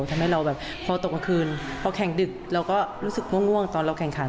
ทำให้เราแบบพอตกกลางคืนพอแข่งดึกเราก็รู้สึกง่วงตอนเราแข่งขัน